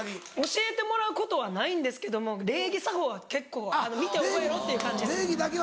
教えてもらうことはないんですけども礼儀作法は結構見て覚えろっていう感じですね。